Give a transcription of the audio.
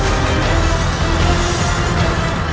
terima kasih ya allah